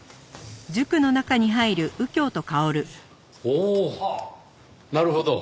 おおなるほど。